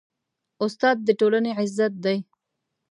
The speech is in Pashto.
استاد د ټولنې عزت دی.